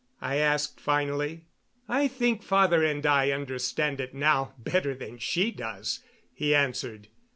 I asked finally. "I think father and I understand it now better than she does," he answered.